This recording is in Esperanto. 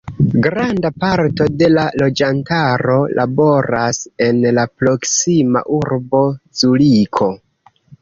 Granda parto de la loĝantaro laboras en la proksima urbo Zuriko.